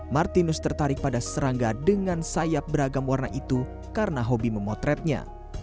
martinus tertarik pada serangga dengan sayap beragam warna itu karena hobi memotretnya